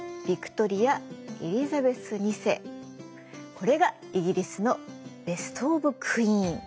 これがイギリスのベストオブクイーン。